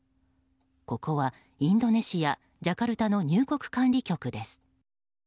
ここはインドネシアジャカルタの入国管理局です。